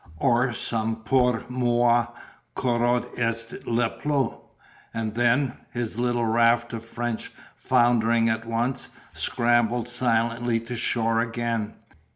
or some "Pour moi Corot est le plou ...," and then, his little raft of French foundering at once, scramble silently to shore again.